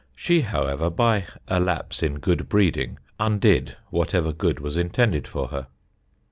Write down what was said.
She, however, by a lapse in good breeding, undid whatever good was intended for her.